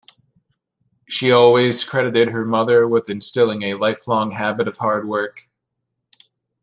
She always credited her mother with instilling a lifelong habit of hard work.